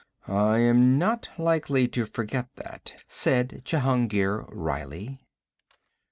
'I am not likely to forget that,' said Jehungir wryly.